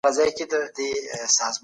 په خبرو کي به صراحت لرئ.